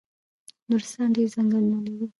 نورستان ډیر ځنګلونه لري